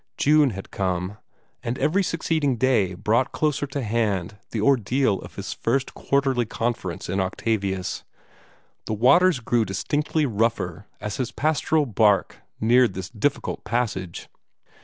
June had come; and every succeeding day brought closer to hand the ordeal of his first Quarterly Conference in Octavius. The waters grew distinctly rougher as his pastoral bark neared this difficult passage.